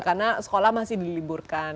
karena sekolah masih diliburkan